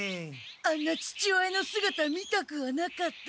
あんな父親のすがた見たくはなかった。